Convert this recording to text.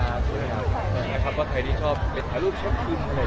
อย่างยิ่งใหญ่เลยนะครับถามคิดว่าสักชั่วคริสต์เอาโดย